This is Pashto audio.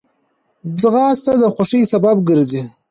ځغاسته د خوښۍ سبب ګرځي